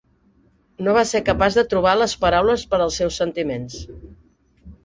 No va ser capaç de trobar les paraules per als seus sentiments.